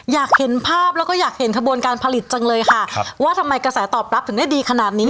อยากเห็นภาพแล้วก็อยากเห็นขบวนการผลิตจังเลยค่ะครับว่าทำไมกระแสตอบรับถึงได้ดีขนาดนี้